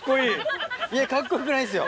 かっこよくないっすよ。